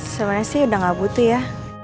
sebenarnya sih udah gak butuh ya